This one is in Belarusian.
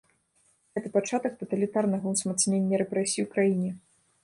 Гэта пачатак таталітарнага ўзмацнення рэпрэсій у краіне.